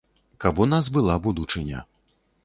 Каб у нас была будучыня.